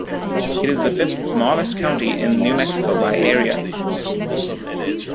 It is the fifth-smallest county in New Mexico by area.